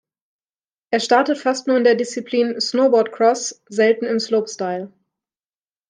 Er startet fast nur in der Disziplin Snowboardcross, selten im Slopestyle.